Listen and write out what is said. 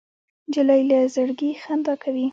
نجلۍ له زړګي خندا کوي.